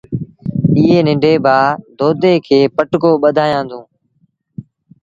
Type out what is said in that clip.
ائيٚݩ ننڍي ڀآ دودي کي پٽڪو ٻڌآيآندون۔